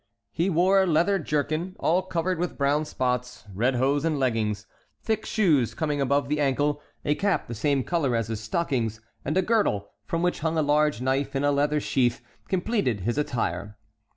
He wore a leather jerkin, all covered with brown spots; red hose and leggings, thick shoes coming above the ankle, a cap the same color as his stockings, and a girdle, from which hung a large knife in a leather sheaf, completed his attire.